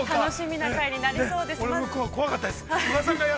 ◆楽しみな回になりそうです。